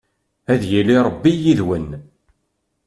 Ad yili Rebbi yid-wen!